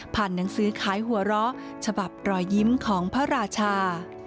หนังสือขายหัวเราะฉบับรอยยิ้มของพระราชา